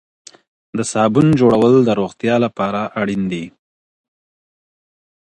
د صابون جوړول د روغتیا لپاره اړین دي.